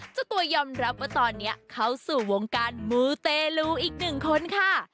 เจ้าตัวยอมรับว่าตอนนี้เข้าสู่วงการมูเตลูอีกหนึ่งคนค่ะ